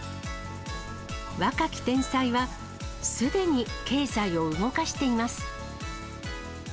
若き天才はすでに経済を動かしています。